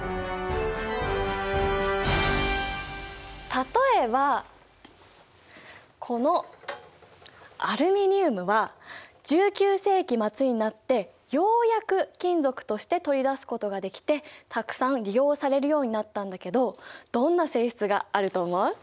例えばこのアルミニウムは１９世紀末になってようやく金属として取り出すことができてたくさん利用されるようになったんだけどどんな性質があると思う？